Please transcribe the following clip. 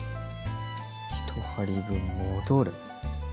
１針分戻る。